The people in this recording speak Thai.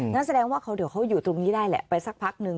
นั่นแสดงว่าเดี๋ยวเขาอยู่ตรงนี้ได้แหละไปสักพักนึง